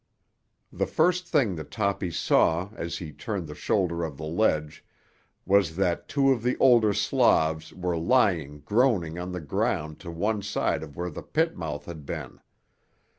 The first thing that Toppy saw as he turned the shoulder of the ledge was that two of the older Slavs were lying groaning on the ground to one side of where the pit mouth had been.